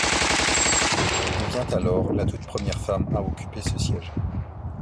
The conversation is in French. Elle devient alors la toute première femme à occuper ce siège.